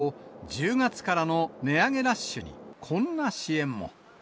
一方、１０月からの値上げラッシュに、こんな支援も。